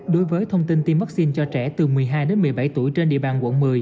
đối với thông tin tiêm vaccine cho trẻ từ một mươi hai đến một mươi bảy tuổi trên địa bàn quận một mươi